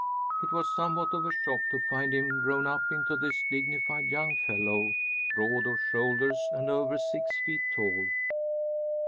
It was somewhat of a shock to find him grown up into this dignified young fellow, broad of shoulders and over six feet tall.